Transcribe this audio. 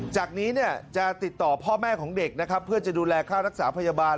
จากนี้เนี่ยจะติดต่อพ่อแม่ของเด็กนะครับเพื่อจะดูแลค่ารักษาพยาบาล